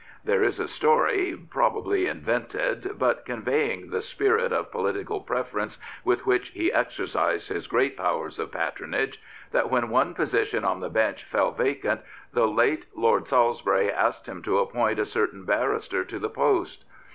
There is a story — ^prob ably invented, but conveying the spirit of political preference with which he exercised his great powers of patronage — that when one position on the Bench fell vacant the late Lord Salisbury asked him to appoint a certain barrister to the post.